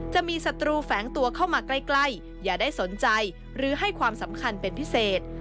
จะมีศัตรูแฝงตัวเข้ามาใกล้อย่าได้สนใจหรือให้ความสำคัญเป็นพิเศษ